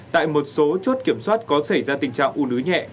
tại một số chốt kiểm soát có xảy ra tình trạng u nứ nhẹ